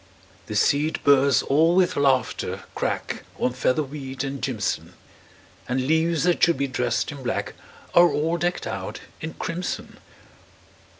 The seed burrs all with laughter crack On featherweed and jimson; And leaves that should be dressed in black Are all decked out in crimson.